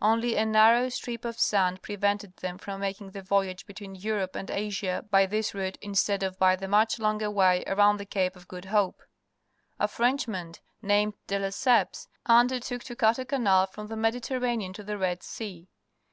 Only a narrow strip of sand prevented them from making the voyage between Europe and Asia by this route instead of by the much longer waj^ arovmd the Ca^e_Qf_QooiLIln4ie. A Frenchman named De Lesseps undertook to cut a canal from the Mediterranean to the Red Sea.